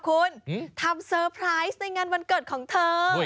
คุณทำเซอร์ไพรส์ในงานวันเกิดของเธอ